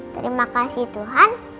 terima kasih tuhan